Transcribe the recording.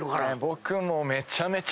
僕も。